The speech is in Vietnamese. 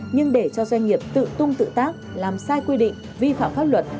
nhưng để cho doanh nghiệp tự tung tự tác làm sai quy định vi phạm pháp luật